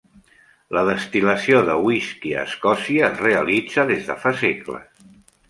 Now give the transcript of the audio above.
La destil·lació de whisky a Escòcia es realitza des de fa segles.